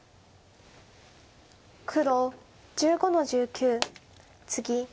黒１５の十九ツギ。